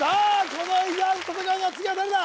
この伊沢と戦うのは次は誰だ？